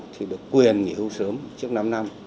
thì được quyền nghỉ hưu sớm trước năm năm